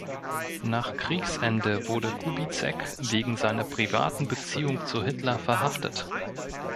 Nach Kriegsende wurde Kubizek wegen seiner privaten Beziehung zu Hitler verhaftet.